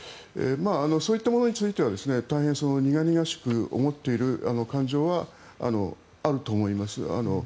そういったものについては大変苦々しく思っている感情はあると思います。